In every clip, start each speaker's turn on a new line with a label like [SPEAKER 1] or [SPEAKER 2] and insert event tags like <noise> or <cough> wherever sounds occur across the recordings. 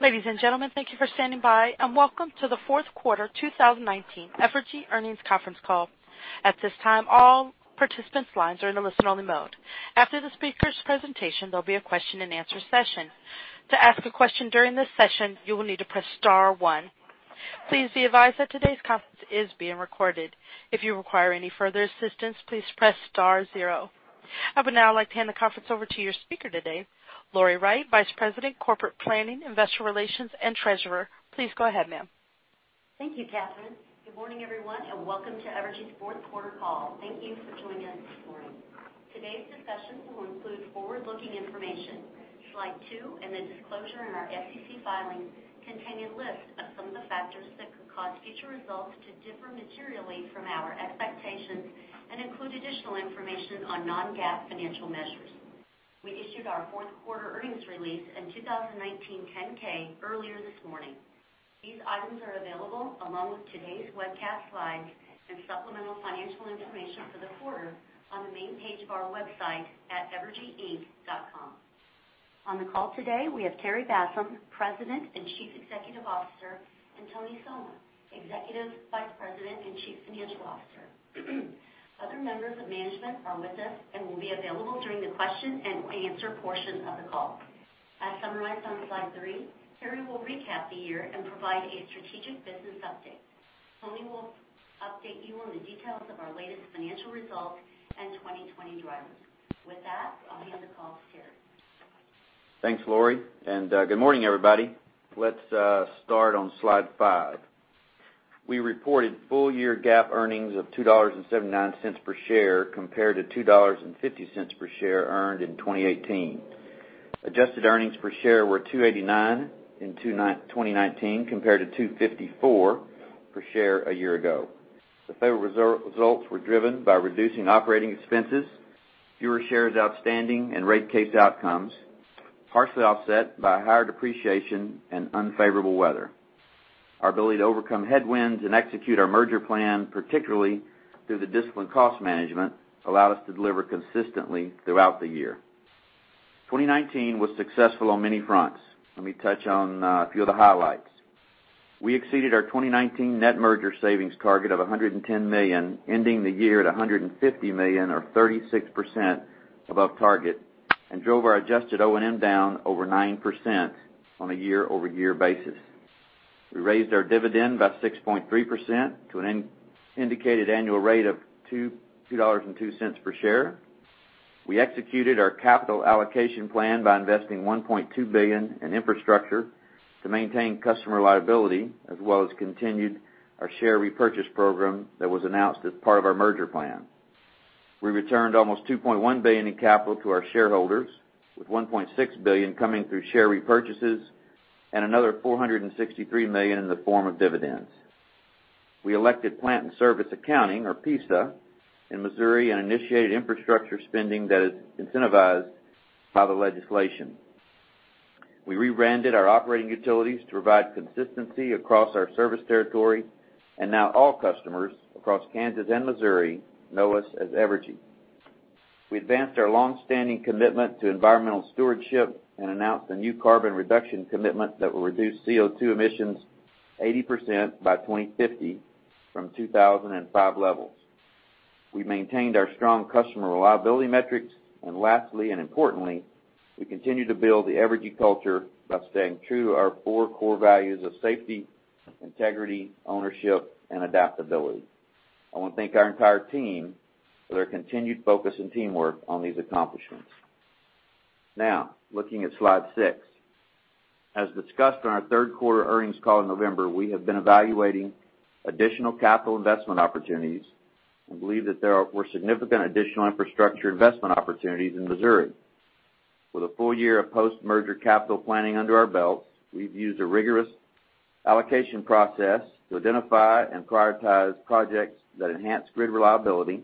[SPEAKER 1] Ladies and gentlemen, thank you for standing by, and welcome to the Fourth Quarter 2019 Evergy Earnings Conference Call. At this time, all participants' lines are in a listen-only mode. After the speakers' presentation, there will be a question-and-answer session. To ask a question during this session, you will need to press star one. Please be advised that today's conference is being recorded. If you require any further assistance, please press star zero. I would now like to hand the conference over to your speaker today, Lori Wright, Vice President, Corporate Planning, Investor Relations, and Treasurer. Please go ahead, ma'am.
[SPEAKER 2] Thank you, Catherine. Good morning, everyone, and welcome to Evergy's fourth quarter call. Thank you for joining us this morning. Today's discussion will include forward-looking information. Slide two and the disclosure in our SEC filings contain a list of some of the factors that could cause future results to differ materially from our expectations and include additional information on non-GAAP financial measures. We issued our fourth quarter earnings release in 2019 10-K earlier this morning. These items are available along with today's webcast slides and supplemental financial information for the quarter on the main page of our website at investors.evergy.com. On the call today, we have Terry Bassham, President and Chief Executive Officer, and Tony Somma, Executive Vice President and Chief Financial Officer. Other members of management are with us and will be available during the question-and-answer portion of the call. As summarized on slide three, Terry will recap the year and provide a strategic business update. Tony will update you on the details of our latest financial results and 2020 drivers. With that, I'll hand the call to Terry.
[SPEAKER 3] Thanks, Lori. Good morning, everybody. Let's start on slide five. We reported full-year GAAP earnings of $2.79 per share compared to $2.50 per share earned in 2018. Adjusted earnings per share were $2.89 in 2019 compared to $2.54 per share a year ago. The favorable results were driven by reducing operating expenses, fewer shares outstanding, and rate case outcomes, partially offset by higher depreciation and unfavorable weather. Our ability to overcome headwinds and execute our merger plan, particularly through the disciplined cost management, allowed us to deliver consistently throughout the year. 2019 was successful on many fronts. Let me touch on a few of the highlights. We exceeded our 2019 net merger savings target of $110 million, ending the year at $150 million, or 36% above target, and drove our adjusted O&M down over 9% on a year-over-year basis. We raised our dividend by 6.3% to an indicated annual rate of $2.02 per share. We executed our capital allocation plan by investing $1.2 billion in infrastructure to maintain customer reliability, as well as continued our share repurchase program that was announced as part of our merger plan. We returned almost $2.1 billion in capital to our shareholders, with $1.6 billion coming through share repurchases and another $463 million in the form of dividends. We elected plant in-service accounting, or PISA, in Missouri and initiated infrastructure spending that is incentivized by the legislation. We rebranded our operating utilities to revive consistency across our service territory, and now all customers across Kansas and Missouri know us as Evergy. We advanced our longstanding commitment to environmental stewardship and announced a new carbon reduction commitment that will reduce CO2 emissions 80% by 2050 from 2005 levels. We maintained our strong customer reliability metrics. Lastly, and importantly, we continue to build the Evergy culture by staying true to our four core values of safety, integrity, ownership, and adaptability. I want to thank our entire team for their continued focus and teamwork on these accomplishments. Looking at slide six. As discussed on our third quarter earnings call in November, we have been evaluating additional capital investment opportunities and believe that there were significant additional infrastructure investment opportunities in Missouri. With a full year of post-merger capital planning under our belt, we've used a rigorous allocation process to identify and prioritize projects that enhance grid reliability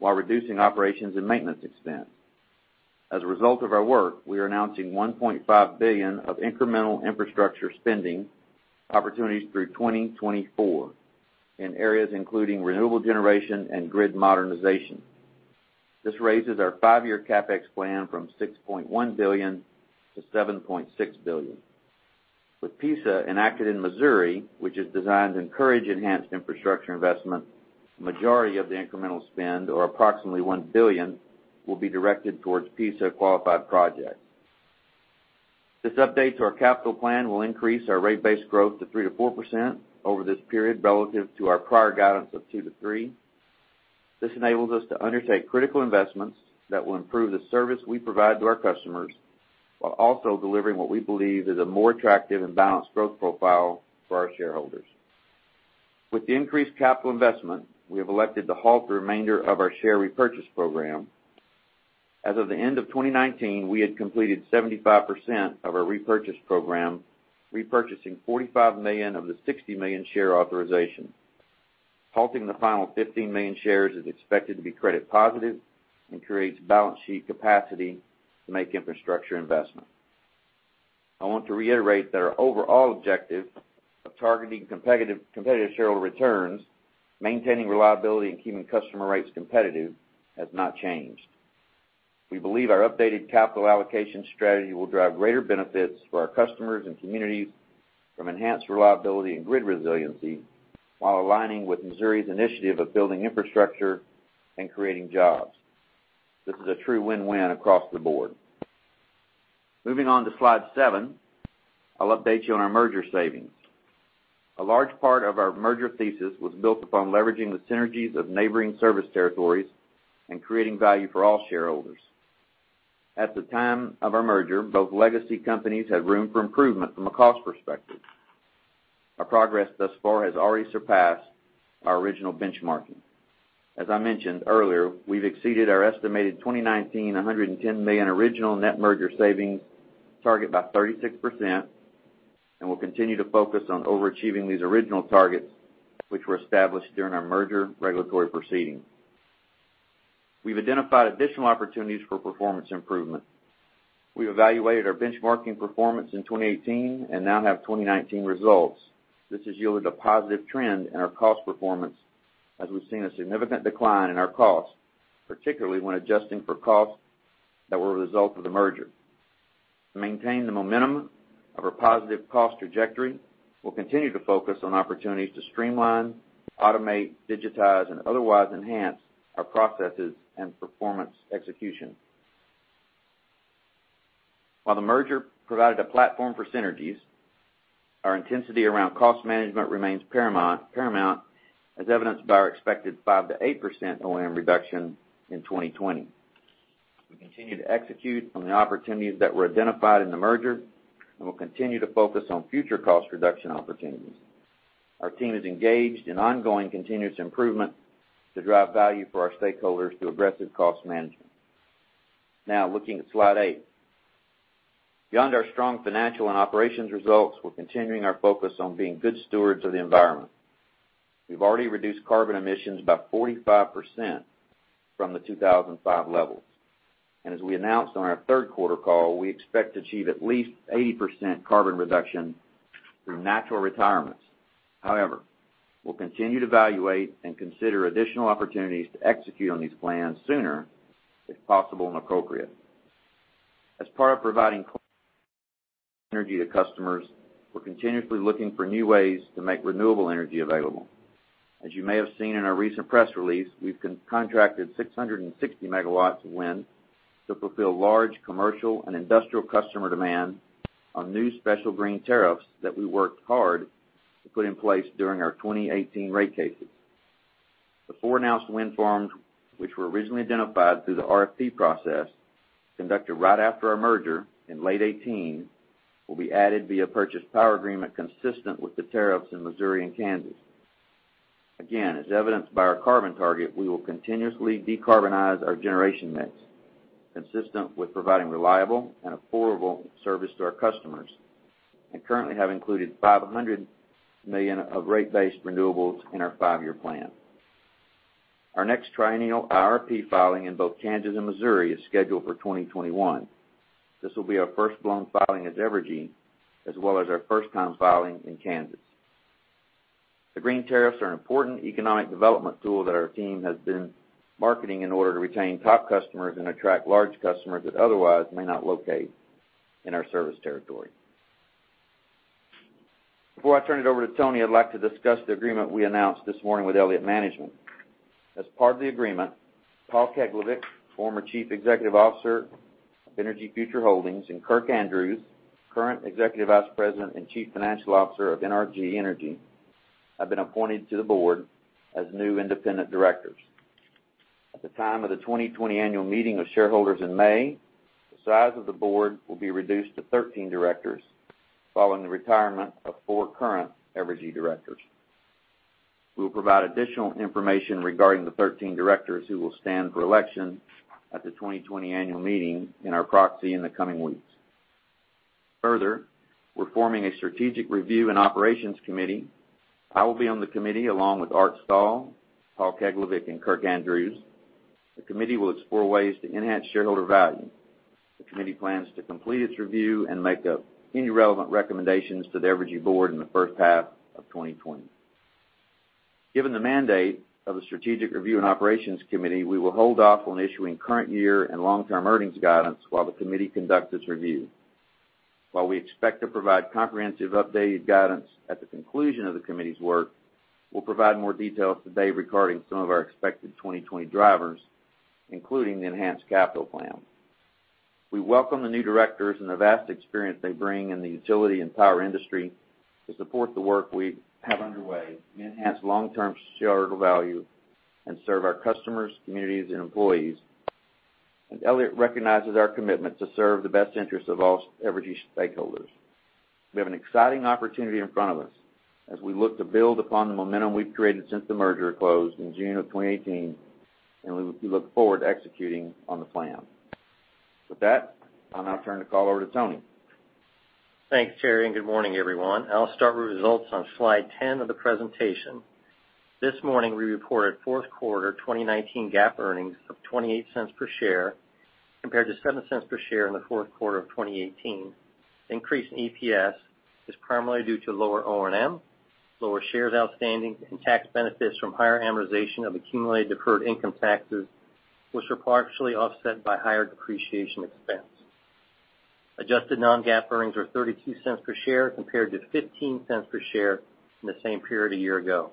[SPEAKER 3] while reducing operations and maintenance expense. As a result of our work, we are announcing $1.5 billion of incremental infrastructure spending opportunities through 2024 in areas including renewable generation and grid modernization. This raises our five-year CapEx plan from $6.1 billion to $7.6 billion. With PISA enacted in Missouri, which is designed to encourage enhanced infrastructure investment, the majority of the incremental spend, or approximately $1 billion, will be directed towards PISA-qualified projects. This update to our capital plan will increase our rate base growth to 3%-4% over this period relative to our prior guidance of 2%-3%. This enables us to undertake critical investments that will improve the service we provide to our customers while also delivering what we believe is a more attractive and balanced growth profile for our shareholders. With the increased capital investment, we have elected to halt the remainder of our share repurchase program. As of the end of 2019, we had completed 75% of our repurchase program, repurchasing $45 million of the $60 million share authorization. Halting the final 15 million shares is expected to be credit positive and creates balance sheet capacity to make infrastructure investments. I want to reiterate that our overall objective of targeting competitive shareholder returns, maintaining reliability, and keeping customer rates competitive has not changed. We believe our updated capital allocation strategy will drive greater benefits for our customers and communities from enhanced reliability and grid resiliency while aligning with Missouri's initiative of building infrastructure and creating jobs. This is a true win-win across the board. Moving on to slide seven, I'll update you on our merger savings. A large part of our merger thesis was built upon leveraging the synergies of neighboring service territories and creating value for all shareholders. At the time of our merger, both legacy companies had room for improvement from a cost perspective. Our progress thus far has already surpassed our original benchmarking. As I mentioned earlier, we've exceeded our estimated 2019, $110 million original net merger savings target by 36% and will continue to focus on overachieving these original targets which were established during our merger regulatory proceeding. We've identified additional opportunities for performance improvement. We evaluated our benchmarking performance in 2018 and now have 2019 results. This has yielded a positive trend in our cost performance as we've seen a significant decline in our costs, particularly when adjusting for costs that were a result of the merger. To maintain the momentum of our positive cost trajectory, we'll continue to focus on opportunities to streamline, automate, digitize, and otherwise enhance our processes and performance execution. While the merger provided a platform for synergies, our intensity around cost management remains paramount as evidenced by our expected 5%-8% O&M reduction in 2020. We continue to execute on the opportunities that were identified in the merger. We'll continue to focus on future cost reduction opportunities. Our team is engaged in ongoing continuous improvement to drive value for our stakeholders through aggressive cost management. Looking at slide eight. Beyond our strong financial and operations results, we're continuing our focus on being good stewards of the environment. We've already reduced carbon emissions by 45% from the 2005 levels. As we announced on our third quarter call, we expect to achieve at least 80% carbon reduction through natural retirements. However, we'll continue to evaluate and consider additional opportunities to execute on these plans sooner if possible and appropriate. As part of providing energy to customers, we're continuously looking for new ways to make renewable energy available. As you may have seen in our recent press release, we've contracted 660 MW of wind to fulfill large commercial and industrial customer demand on new special green tariffs that we worked hard to put in place during our 2018 rate cases. The four announced wind farms, which were originally identified through the RFP process, conducted right after our merger in late 2018, will be added via power purchase agreement consistent with the tariffs in Missouri and Kansas. Again, as evidenced by our carbon target, we will continuously decarbonize our generation mix consistent with providing reliable and affordable service to our customers and currently have included $500 million of rate-based renewables in our five-year plan. Our next triennial IRP filing in both Kansas and Missouri is scheduled for 2021. This will be our first blown filing as Evergy as well as our first time filing in Kansas. The green tariffs are an important economic development tool that our team has been marketing in order to retain top customers and attract large customers that otherwise may not locate in our service territory. Before I turn it over to Tony, I'd like to discuss the agreement we announced this morning with Elliott Management. As part of the agreement, Paul Keglevic, former Chief Executive Officer of Energy Future Holdings, and Kirk Andrews, current Executive Vice President and Chief Financial Officer of NRG Energy, have been appointed to the board as new independent directors. At the time of the 2020 annual meeting of shareholders in May, the size of the board will be reduced to 13 directors following the retirement of four current Evergy Directors. We will provide additional information regarding the 13 directors who will stand for election at the 2020 annual meeting in our proxy in the coming weeks. We're forming a Strategic Review and Operations Committee. I will be on the committee along with Art Stall, Paul Keglevic, and Kirk Andrews. The committee will explore ways to enhance shareholder value. The committee plans to complete its review and make up any relevant recommendations to the Evergy Board in the first half of 2020. Given the mandate of the Strategic Review and Operations Committee, we will hold off on issuing current year and long-term earnings guidance while the committee conducts its review. While we expect to provide comprehensive updated guidance at the conclusion of the committee's work, we'll provide more details today regarding some of our expected 2020 drivers, including the enhanced capital plan. We welcome the new directors and the vast experience they bring in the utility and power industry to support the work we have underway, enhance long-term shareholder value, and serve our customers, communities, and employees. Elliott recognizes our commitment to serve the best interest of all Evergy stakeholders. We have an exciting opportunity in front of us as we look to build upon the momentum we've created since the merger closed in June of 2018, and we look forward to executing on the plan. With that, I'll now turn the call over to Tony.
[SPEAKER 4] Thanks, Terry, and good morning, everyone. I'll start with results on slide 10 of the presentation. This morning, we reported fourth quarter 2019 GAAP earnings of $0.28 per share compared to $0.07 per share in the fourth quarter of 2018. Increase in EPS is primarily due to lower O&M, lower shares outstanding, and tax benefits from higher amortization of accumulated deferred income taxes, was partially offset by higher depreciation expense. Adjusted non-GAAP earnings were $0.32 per share compared to $0.15 per share in the same period a year ago.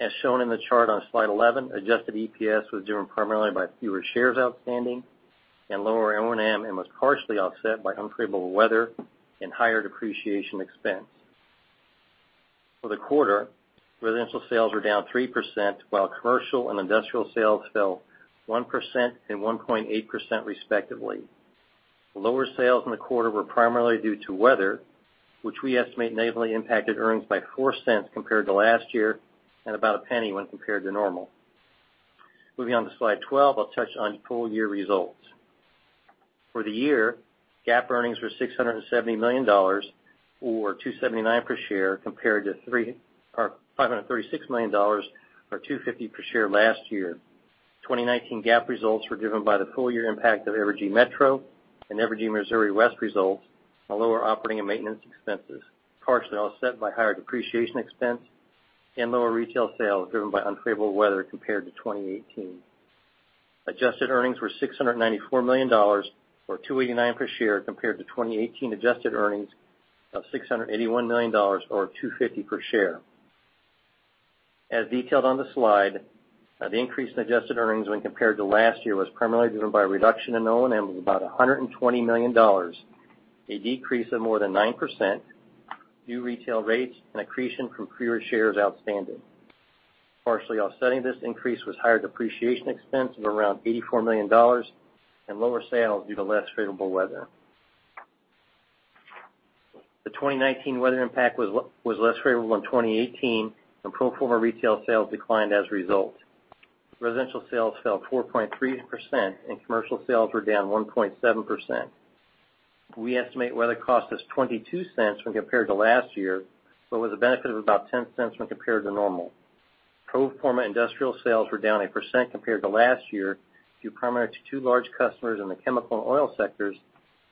[SPEAKER 4] As shown in the chart on slide 11, adjusted EPS was driven primarily by fewer shares outstanding and lower O&M, and was partially offset by unfavorable weather and higher depreciation expense. For the quarter, residential sales were down 3%, while commercial and industrial sales fell 1% and 1.8% respectively. Lower sales in the quarter were primarily due to weather, which we estimate negatively impacted earnings by $0.04 compared to last year, and about $0.01 when compared to normal. Moving on to slide 12, I'll touch on full-year results. For the year, GAAP earnings were $670 million, or $2.79 per share, compared to $536 million or $2.50 per share last year. 2019 GAAP results were driven by the full-year impact of Evergy Metro and Evergy Missouri West results on lower operating and maintenance expenses, partially offset by higher depreciation expense and lower retail sales driven by unfavorable weather compared to 2018. Adjusted earnings were $694 million, or $2.89 per share, compared to 2018 adjusted earnings of $681 million or $2.50 per share. As detailed on the slide, the increase in adjusted earnings when compared to last year was primarily driven by a reduction in O&M of about $120 million, a decrease of more than 9%, new retail rates, and accretion from fewer shares outstanding. Partially offsetting this increase was higher depreciation expense of around $84 million and lower sales due to less favorable weather. The 2019 weather impact was less favorable than 2018, and pro forma retail sales declined as a result. Residential sales fell 4.3% and commercial sales were down 1.7%. We estimate weather cost us $0.22 when compared to last year, but with a benefit of about $0.10 when compared to normal. Pro forma industrial sales were down 1% compared to last year due primarily to two large customers in the chemical and oil sectors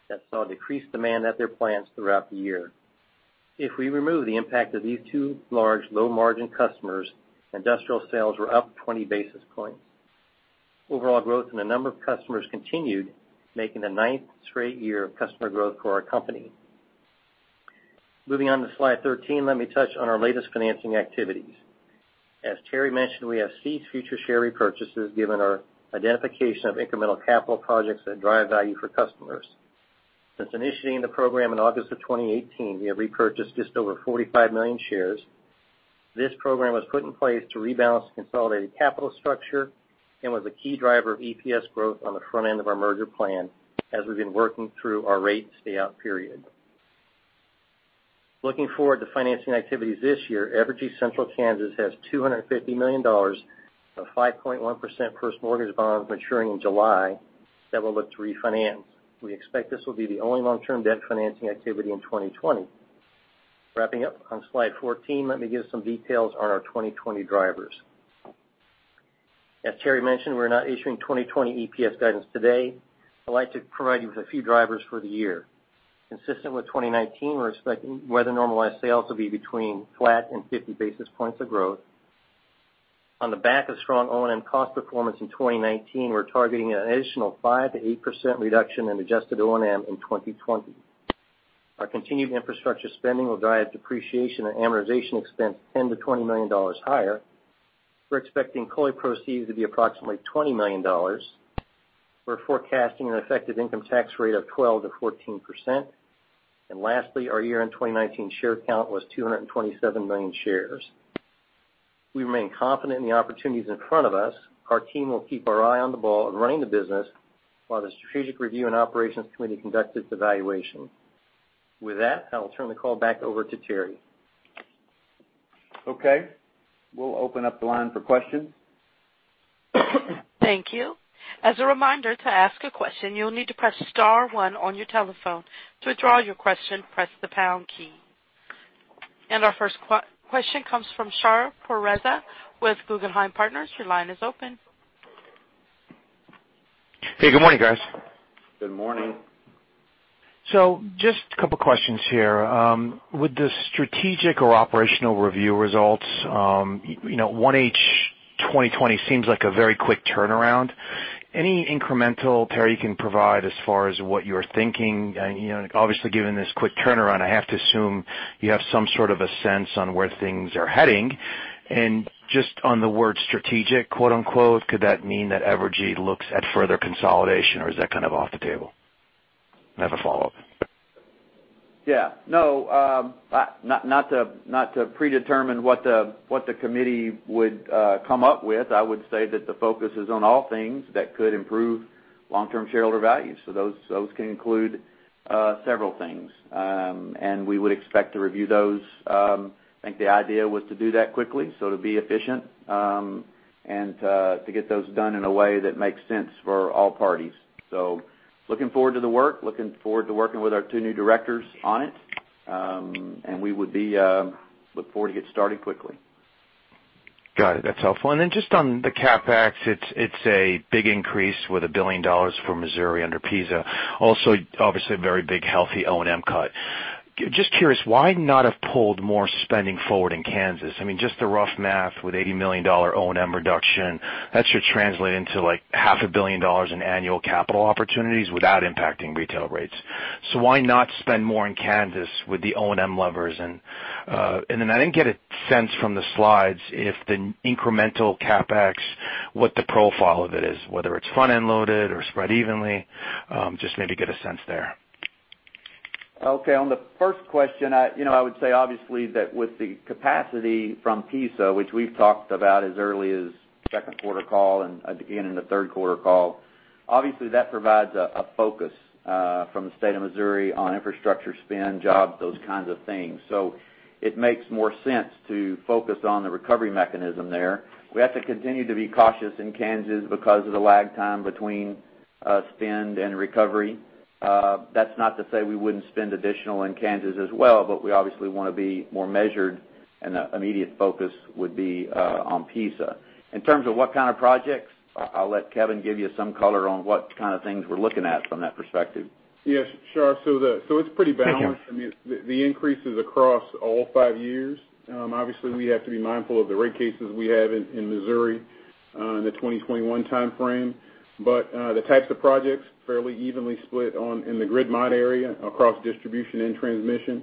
[SPEAKER 4] that saw decreased demand at their plants throughout the year. If we remove the impact of these two large low-margin customers, industrial sales were up 20 basis points. Overall growth in the number of customers continued, making the ninth straight year of customer growth for our company. Moving on to slide 13, let me touch on our latest financing activities. As Terry mentioned, we have ceased future share repurchases given our identification of incremental capital projects that drive value for customers. Since initiating the program in August of 2018, we have repurchased just over 45 million shares. This program was put in place to rebalance the consolidated capital structure and was a key driver of EPS growth on the front end of our merger plan as we've been working through our rate stay-out period. Looking forward to financing activities this year, Evergy Kansas Central has $250 million of 5.1% first mortgage bonds maturing in July that we'll look to refinance. We expect this will be the only long-term debt financing activity in 2020. Wrapping up on slide 14, let me give some details on our 2020 drivers. As Terry mentioned, we're not issuing 2020 EPS guidance today. I'd like to provide you with a few drivers for the year. Consistent with 2019, we're expecting weather-normalized sales to be between flat and 50 basis points of growth. On the back of strong O&M cost performance in 2019, we're targeting an additional 5%-8% reduction in adjusted O&M in 2020. Our continued infrastructure spending will drive depreciation and amortization expense $10 million-$20 million higher. We're expecting COLI proceeds to be approximately $20 million. We're forecasting an effective income tax rate of 12%-14%. Lastly, our year-end 2019 share count was 227 million shares. We remain confident in the opportunities in front of us. Our team will keep our eye on the ball and running the business while the Strategic Review and Operations Committee conduct its evaluation. With that, I will turn the call back over to Terry.
[SPEAKER 3] Okay. We'll open up the line for questions.
[SPEAKER 1] Thank you. As a reminder, to ask a question, you'll need to press star one on your telephone. To withdraw your question, press the pound key. Our first question comes from Shar Pourreza with Guggenheim Partners. Your line is open.
[SPEAKER 5] Hey, good morning, guys.
[SPEAKER 3] Good morning.
[SPEAKER 5] Just a couple of questions here. With the strategic or operational review results, 1H 2020 seems like a very quick turnaround. Any incremental, Terry, you can provide as far as what you're thinking? Obviously, given this quick turnaround, I have to assume you have some sort of a sense on where things are heading. Just on the word "strategic," could that mean that Evergy looks at further consolidation, or is that kind of off the table? I have a follow-up.
[SPEAKER 3] Yeah. No, not to predetermine what the committee would come up with. I would say that the focus is on all things that could improve long-term shareholder value. Those can include several things. We would expect to review those. I think the idea was to do that quickly, so to be efficient, and to get those done in a way that makes sense for all parties. Looking forward to the work, looking forward to working with our two new directors on it. We would look forward to get started quickly.
[SPEAKER 5] Got it. That's helpful. Just on the CapEx, it's a big increase with $1 billion from Missouri under PISA. Obviously, a very big healthy O&M cut. Just curious, why not have pulled more spending forward in Kansas? Just the rough math with $80 million O&M reduction, that should translate into $0.5 billion in annual capital opportunities without impacting retail rates. Why not spend more in Kansas with the O&M levers? I didn't get a sense from the slides if the incremental CapEx, what the profile of it is, whether it's front-end loaded or spread evenly. Just maybe get a sense there.
[SPEAKER 3] On the first question, I would say, obviously, that with the capacity from PISA, which we've talked about as early as second quarter call and again in the third quarter call, obviously that provides a focus from the state of Missouri on infrastructure spend, jobs, those kinds of things. It makes more sense to focus on the recovery mechanism there. We have to continue to be cautious in Kansas because of the lag time between spend and recovery. That's not to say we wouldn't spend additional in Kansas as well, but we obviously want to be more measured, and the immediate focus would be on PISA. In terms of what kind of projects, I'll let Kevin give you some color on what kind of things we're looking at from that perspective.
[SPEAKER 6] Yes, sure. It's pretty balanced.
[SPEAKER 5] Thank you.
[SPEAKER 6] The increase is across all five years. Obviously, we have to be mindful of the rate cases we have in Missouri in the 2021 timeframe. The types of projects fairly evenly split in the grid mod area across distribution and transmission.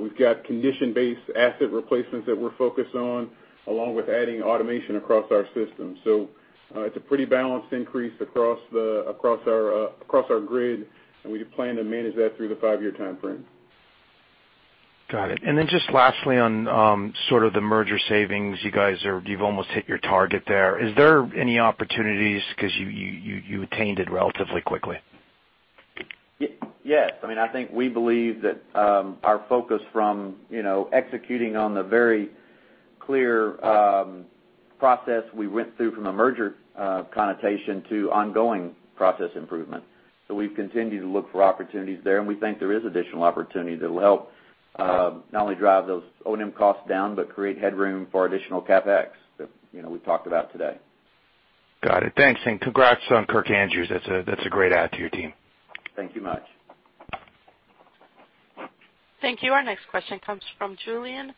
[SPEAKER 6] We've got condition-based asset replacements that we're focused on, along with adding automation across our system. It's a pretty balanced increase across our grid, and we plan to manage that through the five-year timeframe.
[SPEAKER 5] Got it. Then just lastly on sort of the merger savings, you've almost hit your target there. Is there any opportunities because you attained it relatively quickly?
[SPEAKER 3] Yes. I think we believe that our focus from executing on the very clear process we went through from a merger connotation to ongoing process improvement. We've continued to look for opportunities there, and we think there is additional opportunity that will help, not only drive those O&M costs down, but create headroom for additional CapEx that we've talked about today.
[SPEAKER 5] Got it. Thanks. Congrats on Kirk Andrews. That's a great add to your team.
[SPEAKER 3] Thank you much.
[SPEAKER 1] Thank you. Our next question comes from Julien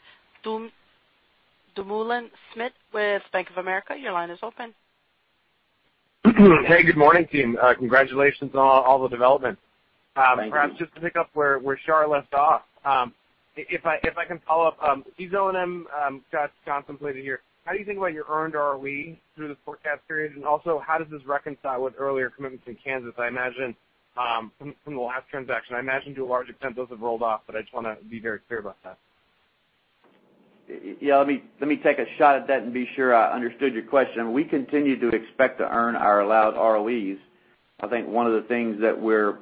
[SPEAKER 1] Dumoulin-Smith with Bank of America. Your line is open.
[SPEAKER 7] Hey, good morning, team. Congratulations on all the developments.
[SPEAKER 3] Thank you.
[SPEAKER 7] Perhaps just to pick up where Shar left off. If I can follow up, these O&M got contemplated here. How do you think about your earned ROE through this forecast period? How does this reconcile with earlier commitments in Kansas? From the last transaction, I imagine to a large extent those have rolled off, but I just want to be very clear about that.
[SPEAKER 3] Yeah, let me take a shot at that and be sure I understood your question. We continue to expect to earn our allowed ROEs. I think one of the things that we're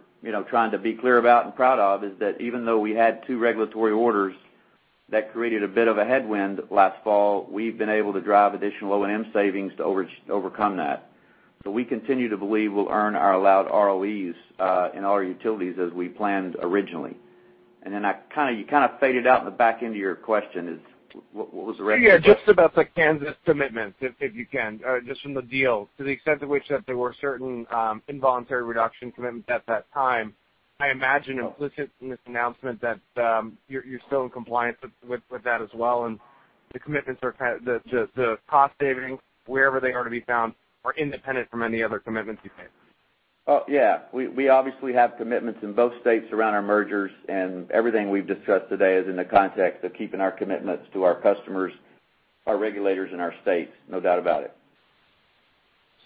[SPEAKER 3] trying to be clear about and proud of is that even though we had two regulatory orders that created a bit of a headwind last fall, we've been able to drive additional O&M savings to overcome that. We continue to believe we'll earn our allowed ROEs in our utilities as we planned originally. You kind of faded out in the back end of your question is, what was the rest of it?
[SPEAKER 7] Yeah, just about the Kansas commitments, if you can, just from the deal, to the extent to which that there were certain involuntary reduction commitments at that time. I imagine implicit in this announcement that you're still in compliance with that as well, and the commitments are kind of the cost savings wherever they are to be found are independent from any other commitments you've made.
[SPEAKER 3] Yeah. We obviously have commitments in both states around our mergers, and everything we've discussed today is in the context of keeping our commitments to our customers, our regulators, and our states. No doubt about it.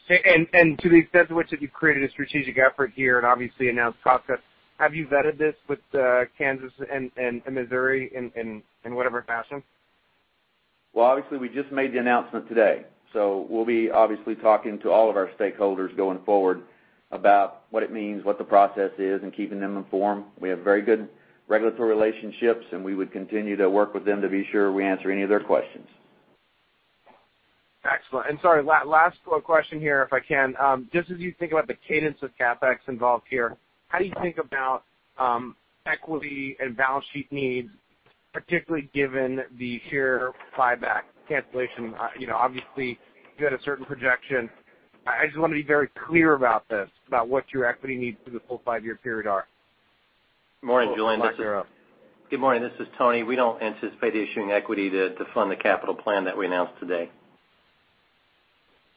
[SPEAKER 7] To the extent to which that you've created a strategic effort here and obviously announced cost cuts, have you vetted this with Kansas and Missouri in whatever fashion?
[SPEAKER 3] Well, obviously we just made the announcement today, so we'll be obviously talking to all of our stakeholders going forward about what it means, what the process is, and keeping them informed. We have very good regulatory relationships, and we would continue to work with them to be sure we answer any of their questions.
[SPEAKER 7] Excellent. Sorry, last quick question here, if I can. Just as you think about the cadence of CapEx involved here, how do you think about equity and balance sheet needs, particularly given the share buyback cancellation? Obviously, you had a certain projection. I just want to be very clear about this, about what your equity needs through the full five-year period are.
[SPEAKER 4] Morning, Julien.
[SPEAKER 3] <audio distortion> you're up.
[SPEAKER 4] Good morning. This is Tony. We don't anticipate issuing equity to fund the capital plan that we announced today.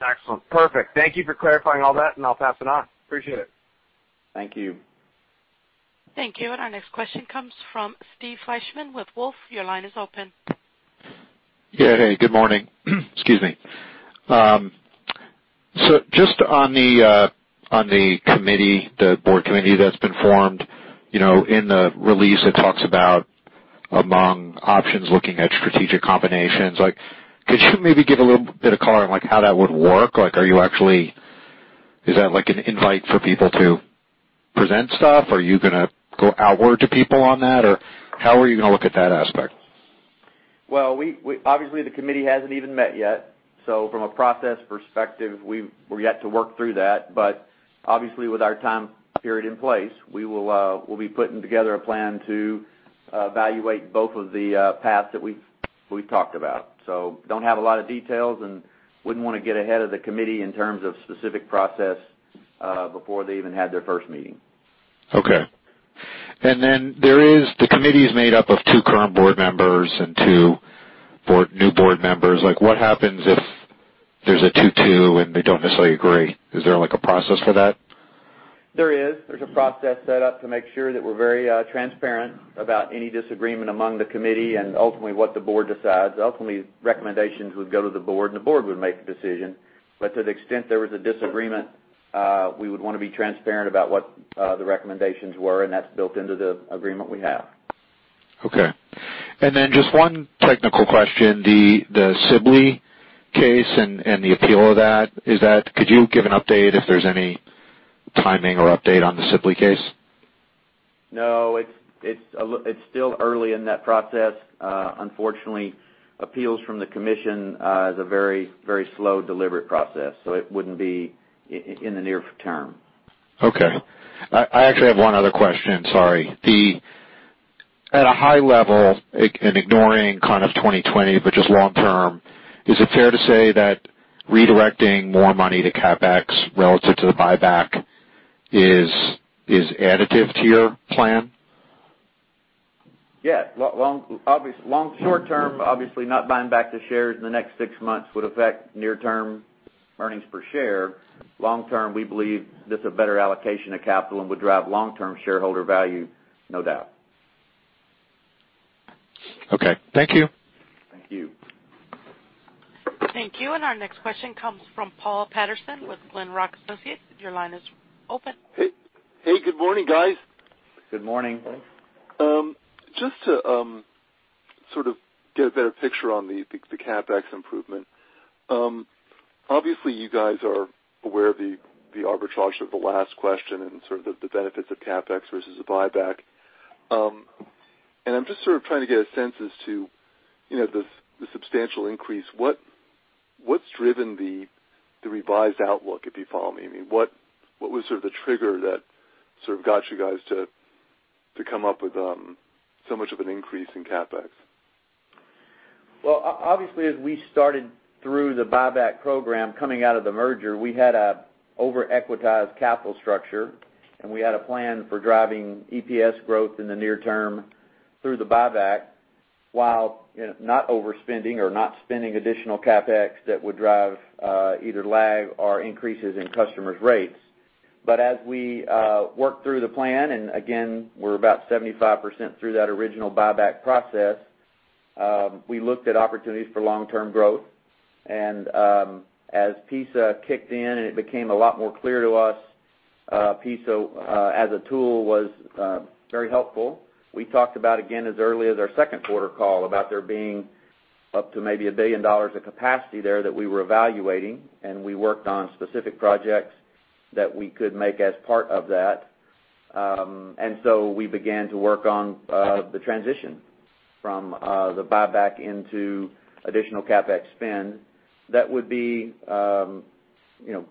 [SPEAKER 7] Excellent. Perfect. Thank you for clarifying all that, and I'll pass it on.
[SPEAKER 4] Appreciate it.
[SPEAKER 3] Thank you.
[SPEAKER 1] Thank you. Our next question comes from Steve Fleishman with Wolfe. Your line is open.
[SPEAKER 8] Yeah. Hey, good morning. Excuse me. Just on the committee, the board committee that's been formed, in the release it talks about among options looking at strategic combinations, could you maybe give a little bit of color on how that would work? Is that an invite for people to present stuff? Are you going to go outward to people on that? Or how are you going to look at that aspect?
[SPEAKER 3] Well, obviously the committee hasn't even met yet. From a process perspective, we've yet to work through that. Obviously with our time period in place, we'll be putting together a plan to evaluate both of the paths that we've talked about. Don't have a lot of details and wouldn't want to get ahead of the committee in terms of specific process before they even had their first meeting.
[SPEAKER 8] Okay. Then the committee is made up of two current board members and two new board members. What happens if there's a two-two and they don't necessarily agree? Is there a process for that?
[SPEAKER 3] There is. There's a process set up to make sure that we're very transparent about any disagreement among the committee and ultimately what the board decides. Ultimately, recommendations would go to the board and the board would make the decision. To the extent there was a disagreement, we would want to be transparent about what the recommendations were, and that's built into the agreement we have.
[SPEAKER 8] Okay. Just one technical question. The Sibley case and the appeal of that. Could you give an update if there's any timing or update on the Sibley case?
[SPEAKER 3] No. It's still early in that process. Unfortunately, appeals from the commission is a very slow, deliberate process. It wouldn't be in the near term.
[SPEAKER 8] Okay. I actually have one other question, sorry. At a high level, and ignoring kind of 2020, but just long term, is it fair to say that redirecting more money to CapEx relative to the buyback is additive to your plan?
[SPEAKER 3] Yes. Short term, obviously not buying back the shares in the next six months would affect near term earnings per share. Long term, we believe this is a better allocation of capital and would drive long term shareholder value, no doubt.
[SPEAKER 8] Okay. Thank you.
[SPEAKER 3] Thank you.
[SPEAKER 1] Thank you. Our next question comes from Paul Patterson with Glenrock Associates. Your line is open.
[SPEAKER 9] Hey, good morning, guys.
[SPEAKER 3] Good morning.
[SPEAKER 9] Just to sort of get a better picture on the CapEx improvement. Obviously, you guys are aware of the arbitrage of the last question and sort of the benefits of CapEx versus a buyback. I'm just sort of trying to get a sense as to the substantial increase. What's driven the revised outlook, if you follow me? I mean, what was sort of the trigger that sort of got you guys to come up with so much of an increase in CapEx?
[SPEAKER 3] Obviously, as we started through the buyback program coming out of the merger, we had an over-equitized capital structure, and we had a plan for driving EPS growth in the near term through the buyback, while not overspending or not spending additional CapEx that would drive either lag or increases in customers' rates. As we worked through the plan, again, we're about 75% through that original buyback process, we looked at opportunities for long-term growth. As PISA kicked in and it became a lot more clear to us, PISA, as a tool, was very helpful. We talked about, again, as early as our second quarter call, about there being up to maybe $1 billion of capacity there that we were evaluating. We worked on specific projects that we could make as part of that. We began to work on the transition from the buyback into additional CapEx spend that would be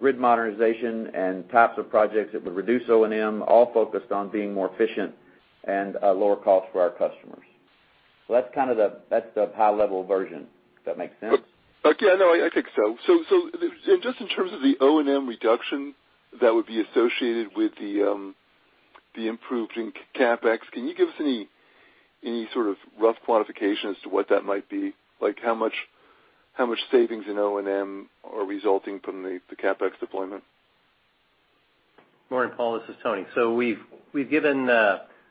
[SPEAKER 3] grid modernization and types of projects that would reduce O&M, all focused on being more efficient and lower cost for our customers. That's the high level version. Does that make sense?
[SPEAKER 9] Yeah, no, I think so. Just in terms of the O&M reduction that would be associated with the improved CapEx, can you give us any sort of rough quantification as to what that might be? How much savings in O&M are resulting from the CapEx deployment?
[SPEAKER 4] Morning, Paul. This is Tony. We've given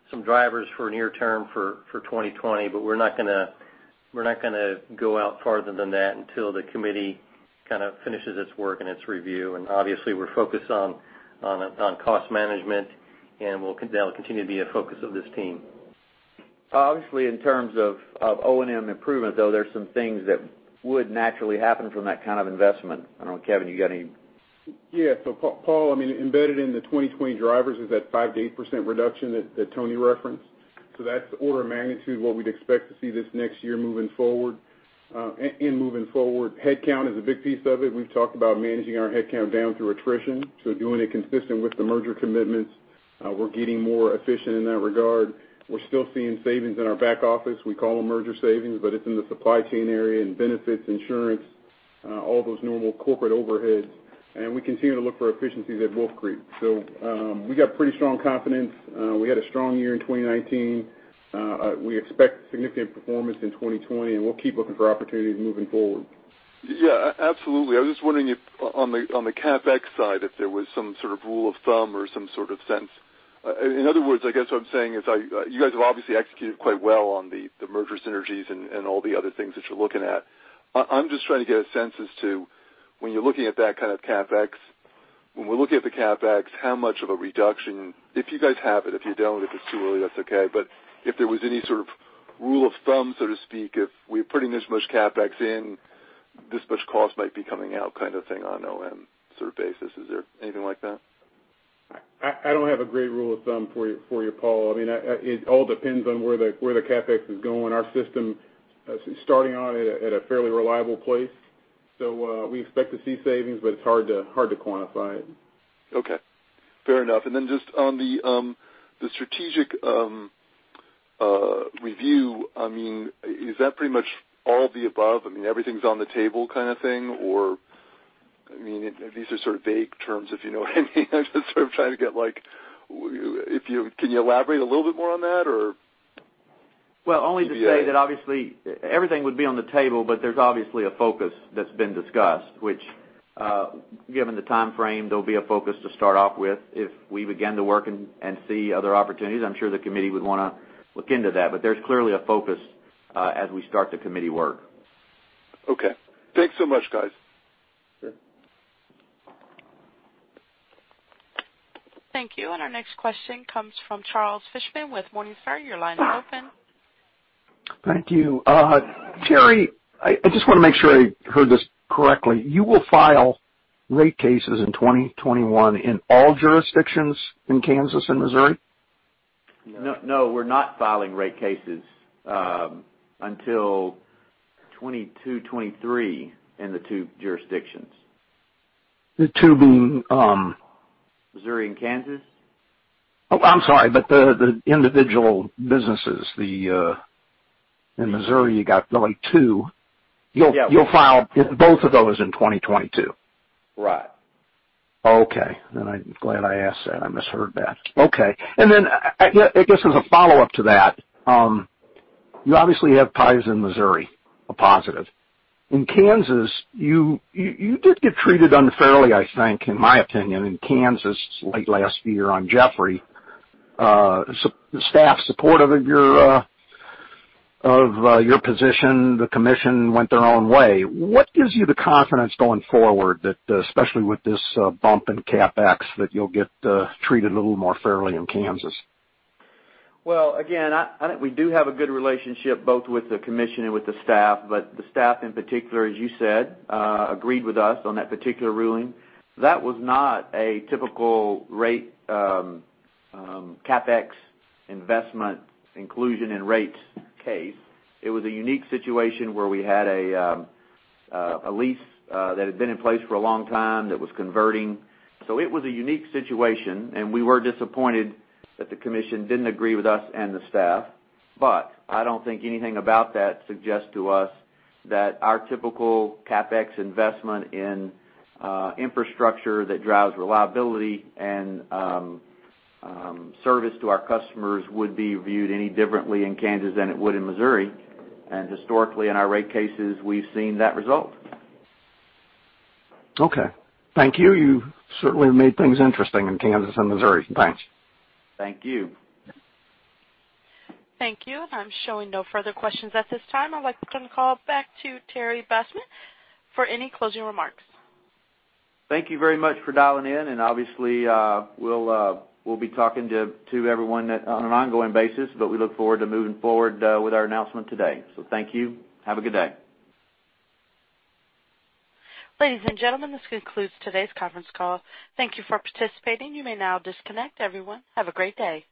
[SPEAKER 4] some drivers for near term for 2020, but we're not going to go out farther than that until the committee kind of finishes its work and its review. Obviously, we're focused on cost management, and that'll continue to be a focus of this team. Obviously, in terms of O&M improvement, though, there's some things that would naturally happen from that kind of investment. I don't know, Kevin, you got any?
[SPEAKER 6] Paul, embedded in the 2020 drivers is that 5%-8% reduction that Tony referenced. That's the order of magnitude what we'd expect to see this next year moving forward. Moving forward, headcount is a big piece of it. We've talked about managing our headcount down through attrition. Doing it consistent with the merger commitments. We're getting more efficient in that regard. We're still seeing savings in our back office. We call them merger savings, but it's in the supply chain area and benefits, insurance, all those normal corporate overheads. We continue to look for efficiencies at Wolf Creek. We got pretty strong confidence. We had a strong year in 2019. We expect significant performance in 2020, and we'll keep looking for opportunities moving forward.
[SPEAKER 9] Yeah, absolutely. I was just wondering if on the CapEx side, if there was some sort of rule of thumb or some sort of sense. In other words, I guess what I'm saying is you guys have obviously executed quite well on the merger synergies and all the other things that you're looking at. I'm just trying to get a sense as to when you're looking at that kind of CapEx, when we're looking at the CapEx, how much of a reduction, if you guys have it, if you don't, if it's too early, that's okay, but if there was any sort of rule of thumb, so to speak, if we're putting this much CapEx in, this much cost might be coming out kind of thing on O&M sort of basis. Is there anything like that?
[SPEAKER 6] I don't have a great rule of thumb for you, Paul. It all depends on where the CapEx is going. Our system is starting on at a fairly reliable place. We expect to see savings, but it's hard to quantify it.
[SPEAKER 9] Okay. Fair enough. Just on the strategic review, is that pretty much all of the above? Everything's on the table kind of thing? These are sort of vague terms, if you know what I mean. Can you elaborate a little bit more on that or?
[SPEAKER 3] Well, only to say that obviously everything would be on the table, but there's obviously a focus that's been discussed, which, given the timeframe, there'll be a focus to start off with. If we begin to work and see other opportunities, I'm sure the committee would want to look into that. There's clearly a focus as we start the committee work.
[SPEAKER 9] Okay. Thanks so much, guys.
[SPEAKER 3] Sure.
[SPEAKER 1] Thank you. Our next question comes from Charles Fishman with Morningstar. Your line is open.
[SPEAKER 10] Thank you. Terry, I just want to make sure I heard this correctly. You will file rate cases in 2021 in all jurisdictions in Kansas and Missouri?
[SPEAKER 3] No, we're not filing rate cases until 2022, 2023 in the two jurisdictions.
[SPEAKER 10] The two being?
[SPEAKER 3] Missouri and Kansas.
[SPEAKER 10] Oh, I'm sorry, the individual businesses. In Missouri, you got two.
[SPEAKER 3] Yeah.
[SPEAKER 10] You'll file both of those in 2022.
[SPEAKER 3] Right.
[SPEAKER 10] Okay. I'm glad I asked that. I misheard that. Okay. I guess as a follow-up to that, you obviously have ties in Missouri, a positive. In Kansas, you did get treated unfairly, I think, in my opinion, in Kansas late last year on Jeffrey. Is the staff supportive of your position? The Commission went their own way. What gives you the confidence going forward that, especially with this bump in CapEx, that you'll get treated a little more fairly in Kansas?
[SPEAKER 3] Well, again, I think we do have a good relationship both with the Commission and with the staff. The staff in particular, as you said, agreed with us on that particular ruling. That was not a typical rate CapEx investment inclusion in rates case. It was a unique situation where we had a lease that had been in place for a long time that was converting. It was a unique situation, and we were disappointed that the Commission didn't agree with us and the staff. I don't think anything about that suggests to us that our typical CapEx investment in infrastructure that drives reliability and service to our customers would be viewed any differently in Kansas than it would in Missouri. Historically, in our rate cases, we've seen that result.
[SPEAKER 10] Okay. Thank you. You certainly have made things interesting in Kansas and Missouri. Thanks.
[SPEAKER 3] Thank you.
[SPEAKER 1] Thank you. I'm showing no further questions at this time. I'd like to turn the call back to Terry Bassham for any closing remarks.
[SPEAKER 3] Thank you very much for dialing in, and obviously, we'll be talking to everyone on an ongoing basis, but we look forward to moving forward with our announcement today. Thank you. Have a good day.
[SPEAKER 1] Ladies and gentlemen, this concludes today's conference call. Thank you for participating. You may now disconnect everyone. Have a great day.